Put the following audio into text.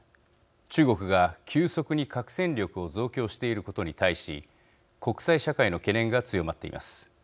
中国が急速に核戦力を増強していることに対し国際社会の懸念が強まっています。